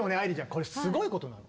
これすごいことなの。